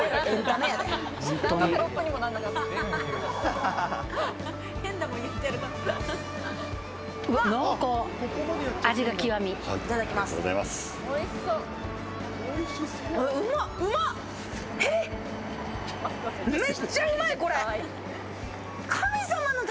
めっちゃうまい、これ。